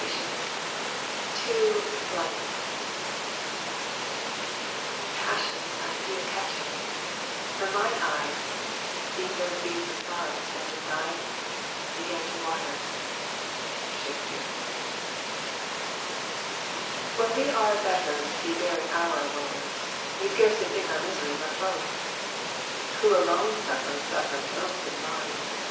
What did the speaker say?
.. 197 TO * Passion I see is catching ; for mine eyes, Seeing those beads of sorrow stand in thine, Began to water." SBAKSPaRs. * When we our betters see bearing our woes, We scarcely think our miseries our foes ; Who alone suffers suffers most i* the mind.